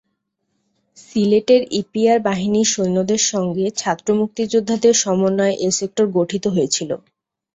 সিলেটের ইপিআর বাহিনীর সৈন্যদের সঙ্গে ছাত্র মুক্তিযোদ্ধাদের সমন্বয়ে এ সেক্টর গঠিত হয়েছিলো।